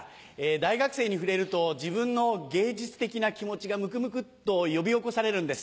大学生に触れると自分の芸術的な気持ちがむくむくっと呼び起こされるんです。